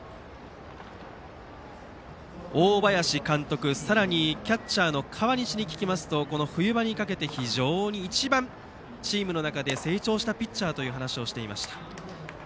大林監督、さらにキャッチャーの河西に聞きますと冬場にかけて非常に一番チームの中で成長したピッチャーという話をしていました。